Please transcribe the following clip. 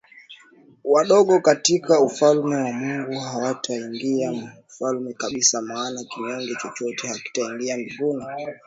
Wadogo katika ufalme wa Mungu hawatauingia ufalme kabisa maana kinyonge chochote hakitaingia Mbinguni